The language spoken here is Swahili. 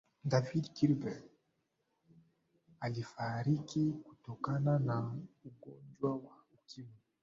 david kirby alifariki kutokana na ugonjwa wa ukimwi